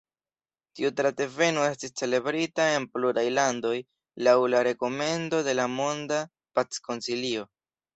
Tiu datreveno estis celebrita en pluraj landoj laŭ la rekomendo de la Monda Pac-Konsilio.